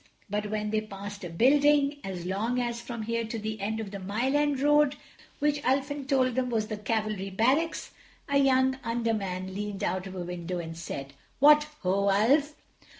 But when they passed a building, as long as from here to the end of the Mile End Road, which Ulfin told them was the Cavalry Barracks, a young Under man leaned out of a window and said: "What ho! Ulf."